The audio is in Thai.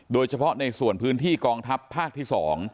โดยเฉพาะในส่วนพื้นที่กองทัพภาคที่๒